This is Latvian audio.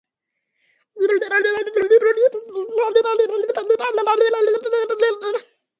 Mēs nolēmām, ka lemsim parīt... ha!